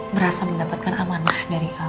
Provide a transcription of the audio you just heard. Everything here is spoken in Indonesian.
merasa mendapatkan amanah dari